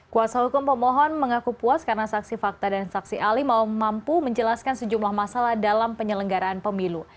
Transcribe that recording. kuasa hukum pemohon mengaku puas karena saksi fakta dan saksi ahli mau mampu menjelaskan sejumlah masalah dalam penyelenggaraan pemilu